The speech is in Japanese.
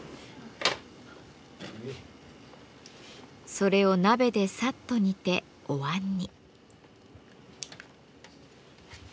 それを鍋でさっと煮てお椀に。